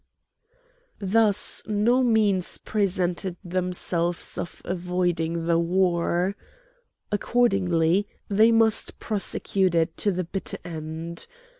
Thus no means presented themselves of avoiding the war. Accordingly they must prosecute it to the bitter end.